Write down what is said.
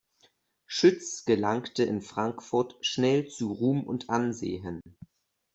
Schütz gelangte in Frankfurt schnell zu Ruhm und Ansehen.